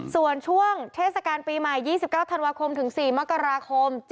ส่วนช่วงเทศกาลปีใหม่๒๙ธันวาคมถึง๔มกราคม